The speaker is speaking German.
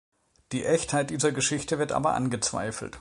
Die Echtheit dieser Geschichte wird aber angezweifelt.